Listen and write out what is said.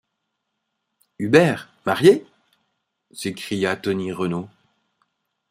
Hubert marié!... s’écria Tony Renault.